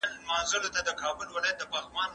که نجونې پوهنتون ته لاړې شي نو راتلونکې روښانه کیږي.